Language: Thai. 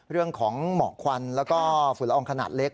เรื่องของหมอกควันแล้วก็ฝูระองขนาดเล็ก